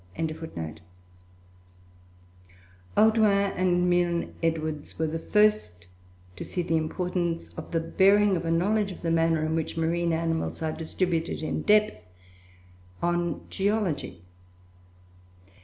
] Audouin and Milne Edwards were the first to see the importance of the bearing of a knowledge of the manner in which marine animals are distributed in depth, on geology.